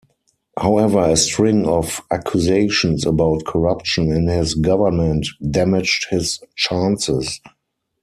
However, a string of accusations about corruption in his government damaged his chances.